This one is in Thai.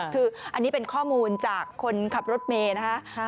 คืออันนี้เป็นข้อมูลจากคนขับรถเมย์นะคะ